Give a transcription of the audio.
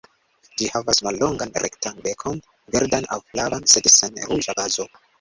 Ĝi havas mallongan rektan bekon, verdan aŭ flavan sed sen ruĝa bazo.